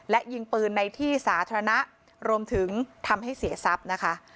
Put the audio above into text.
และยิงปืนในที่สาธารณะรวมถึงทำให้เสียทรัพย์นะคะ